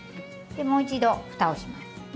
でもう一度ふたをします。